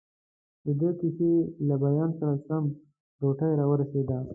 دده د کیسې له بیان سره سم، روټۍ راورسېده.